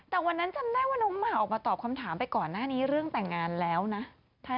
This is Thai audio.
แต่วันนั้นจำได้ว่าน้องหมากออกมาตอบคำถามไปก่อนหน้านี้เรื่องแต่งงานแล้วนะ